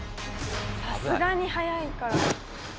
さすがに速いから。